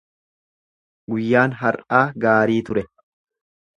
Guyyaan har'aa gaarii ture.